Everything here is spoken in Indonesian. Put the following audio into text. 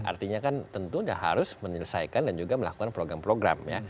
artinya kan tentu sudah harus menyelesaikan dan juga melakukan program program ya